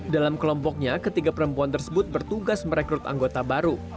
dalam kelompoknya ketiga perempuan tersebut bertugas merekrut anggota baru